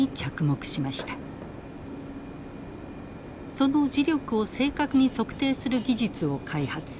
その磁力を正確に測定する技術を開発。